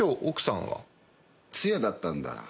通夜だったんだ。